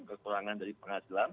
kekurangan dari penghasilan